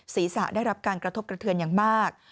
ศีรษะได้รับการกระทบกระเทือนอย่างมาก